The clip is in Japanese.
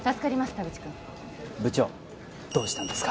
田口君部長どうしたんですか？